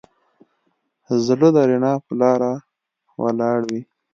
زړه د رڼا په لاره ولاړ وي.